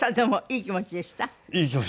いい気持ちでした。